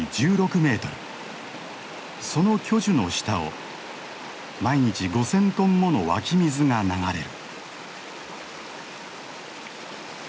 その巨樹の下を毎日５，０００トンもの湧き水が流れる。